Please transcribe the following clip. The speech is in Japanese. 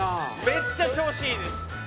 めっちゃ調子いいです。